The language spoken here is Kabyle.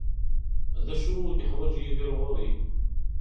D acu i yeḥwaǧ Yidir ɣur-i?